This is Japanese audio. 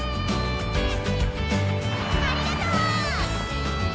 ありがとう！